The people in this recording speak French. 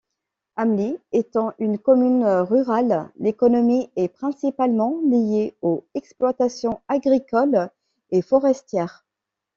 Åmli étant une commune rurale, l'économie est principalement lié aux exploitations agricoles et forestières.